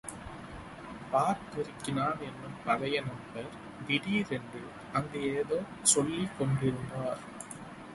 பாட்ரிக்கின்னான் என்னும் பழைய நண்பர் திடீரென்று அங்கு ஏதோ சொல்லிக் கொண்டிருந்தார்.